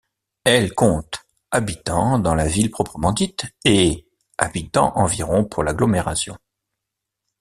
Elle compte habitants, dans la ville proprement dite, et habitants environ pour l'agglomération.